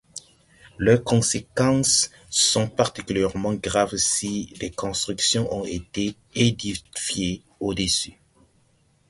Leurs conséquences sont particulièrement graves si des constructions ont été édifiées au-dessus.